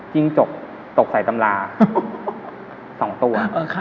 จิ้งจกตกใส่ตำรา๒ตัว